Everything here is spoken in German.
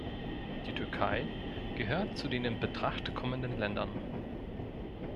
Die Türkei gehört zu den in Betracht kommenden Ländern.